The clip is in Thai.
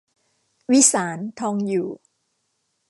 วิสาร ทองอยู่